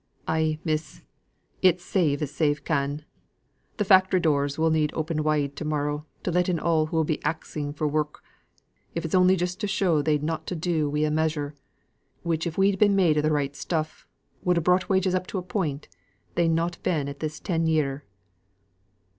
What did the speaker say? "Ay, miss. It's save as save can. Th' factory doors will need open wide to morrow to let in all who'll be axing for work; if it's only just to show they'd nought to do wi' a measure, which if we'd been made o' th' right stuff would ha' brought wages up to a point they'n not been at this ten year."